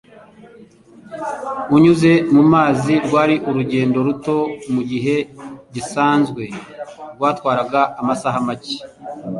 unyuze mu mazi rwari urugendo ruto mu gihe gisanzwe rwatwaraga amasaha make;